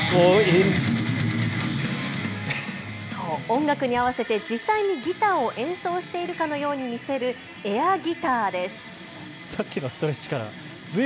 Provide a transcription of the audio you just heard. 音楽に合わせて実際にギターを演奏しているかのように見せるエアギターです。